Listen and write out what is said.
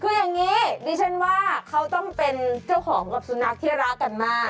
คืออย่างนี้ดิฉันว่าเขาต้องเป็นเจ้าของกับสุนัขที่รักกันมาก